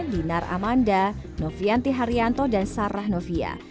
dinar amanda novianti haryanto dan sarah novia